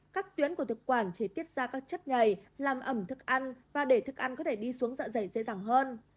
các tuyến của thực quản chỉ tiết ra các chất nhầy làm ẩm thực ăn và để thức ăn có thể đi xuống dạ dày dễ dàng hơn